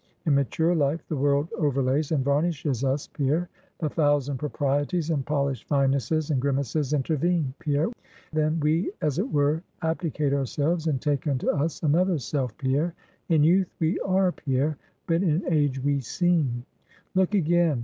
In mature life, the world overlays and varnishes us, Pierre; the thousand proprieties and polished finenesses and grimaces intervene, Pierre; then, we, as it were, abdicate ourselves, and take unto us another self, Pierre; in youth we are, Pierre, but in age we seem. Look again.